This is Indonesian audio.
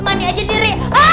mandi aja diri